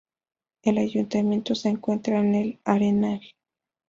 El ayuntamiento se encuentra en El Arenal.